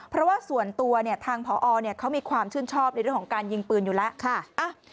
เพราะว่าส่วนตัวเนี่ยทางพอเขามีความชื่นชอบในเรื่องของการยิงปืนอยู่แล้วค่ะ